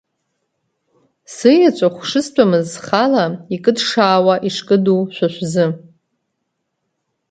Сыеҵәахә шыстәымыз схала, икыдшаауа ишкыду шәа шәзы.